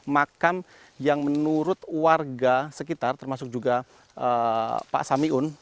makam yang menurut warga sekitar termasuk juga pak samiun